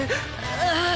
ああ！